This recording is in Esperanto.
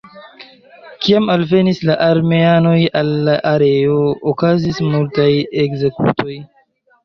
Kiam alvenis la armeanoj al la areo okazis multaj ekzekutoj.